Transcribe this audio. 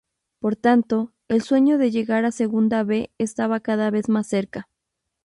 Por tanto, el sueño de llegar a segunda B estaba cada vez más cerca.